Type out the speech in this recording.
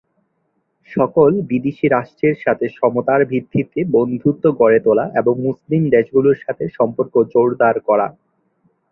সকল বিদেশী রাষ্ট্রের সাথে সমতার ভিত্তিতে বন্ধুত্ব গড়ে তোলা এবং মুসলিম দেশগুলির সাথে সম্পর্ক জোরদার করা।